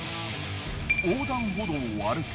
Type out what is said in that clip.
横断歩道を歩く